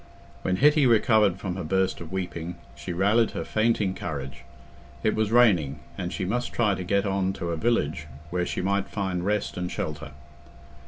When Hetty recovered from her burst of weeping, she rallied her fainting courage: it was raining, and she must try to get on to a village where she might find rest and shelter.